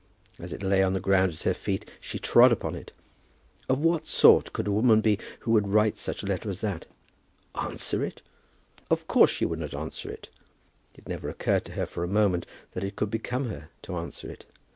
As it lay on the ground at her feet, she trod upon it. Of what sort could a woman be who would write such a letter as that? Answer it! Of course she would not answer it. It never occurred to her for a moment that it could become her to answer it.